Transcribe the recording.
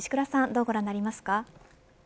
どうご覧になりますか。